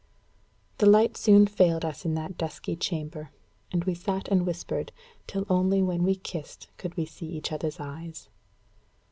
The light soon failed us in that dusky chamber; and we sat and whispered, till only when we kissed could we see each other's eyes.